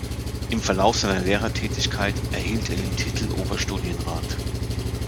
Im Verlauf seiner Lehrertätigkeit erhielt er den Titel Oberstudienrat.